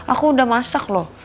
aku udah masak loh